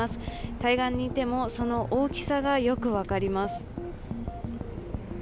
対岸にいてもその大きさがよく分かります。